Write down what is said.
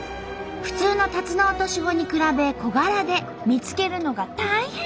普通のタツノオトシゴに比べ小柄で見つけるのが大変！